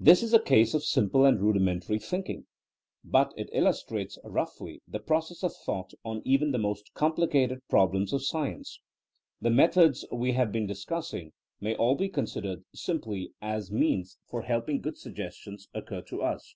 This is a case of simple and rudimentary thinking, but it illus trates roughly the process of thought on even the most complicated problems of science. The methods we have been discussing may all be considered simply as means for helping good suggestions occur to us.